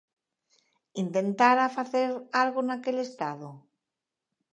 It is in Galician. ¿Intentara facer algo naquel estado?